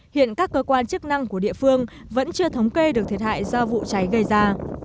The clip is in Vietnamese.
hiện các cơ quan chức năng của địa phương vẫn chưa thống kê được thiệt hại do vụ cháy gây ra